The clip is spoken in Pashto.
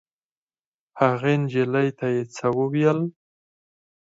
هغې نجلۍ ته یې څه وویل.